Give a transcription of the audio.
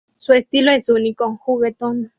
Su estilo es único, juguetón.